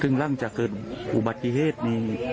ขึ้นอลังจะเกิดอุบัติเทศนี่